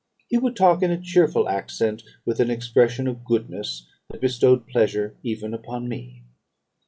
He would talk in a cheerful accent, with an expression of goodness that bestowed pleasure even upon me.